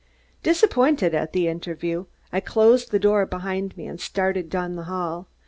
Disappointed at the interview, I closed the door behind me and started down the hall.